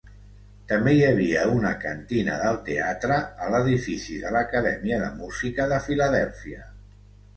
També hi havia una cantina del teatre a l’edifici de l'Acadèmia de Música de Filadèlfia.